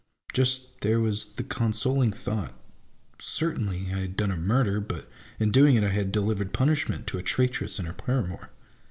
Just there was the consoling thought : certainly I had done a murder, but in doing it I had delivered punishment to a traitress and her paramour.